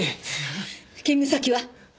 勤務先は？